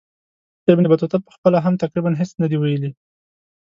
ابن بطوطه پخپله هم تقریبا هیڅ نه دي ویلي.